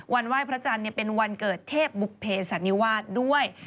ไหว้พระจันทร์เป็นวันเกิดเทพบุภเพสันนิวาสด้วย